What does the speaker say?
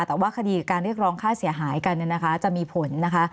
แต่ว่าคดีการเรียกร้องค่าเสียหายกันเนี่ยนะคะจะมีผลนะคะ